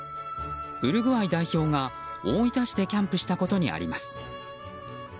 ウルグアイ代表が大分市でキャンプしたことにあります。